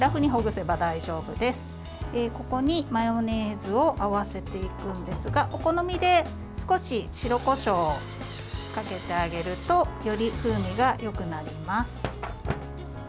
ここにマヨネーズを合わせていくんですがお好みで少し白こしょうをかけてあげるとより風味がよくなります。